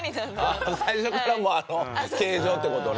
最初からあの形状って事ね。